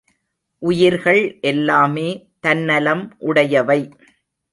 உயிர்கள் எல்லாமே தன்னலம் உடையவை.